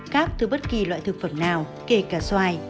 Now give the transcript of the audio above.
các thứ bất kỳ loại thực phẩm nào kể cả xoài